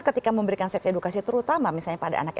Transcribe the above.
ketika memberikan seks edukasi terutama misalnya pada anaknya